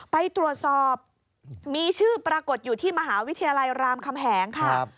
ไปตรวจสอบมีชื่อปรากฏอยู่ที่มหาวิทยาลัยรามคำแหงค่ะ